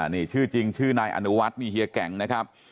นี่ชื่อจริงชื่อนายอนุวัฒน์นี่เฮียแก่งนะครับ